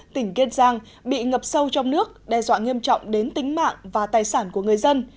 tỉnh kiên giang bị ngập sâu trong nước đe dọa nghiêm trọng đến tính mạng và tài sản của người dân